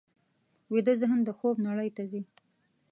ویده ذهن د خوب نړۍ ته ځي